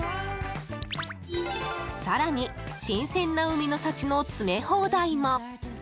更に、新鮮な海の幸の詰め放題も。